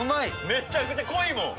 めちゃくちゃ濃いもん。